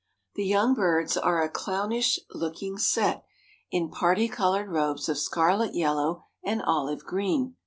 The young birds are a clownish looking set in parti colored robes of scarlet yellow and olive green.